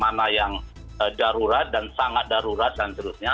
mana yang darurat dan sangat darurat dan seterusnya